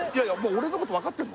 俺のこと分かってんの？